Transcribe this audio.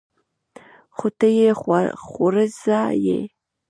خو ته يې خورزه يې.